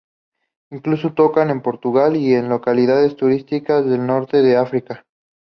Incluso tocan en Portugal y en localidades turísticas del norte de África.